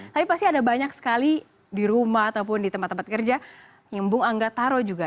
tapi pasti ada banyak sekali di rumah ataupun di tempat tempat kerja yang bung angga taro juga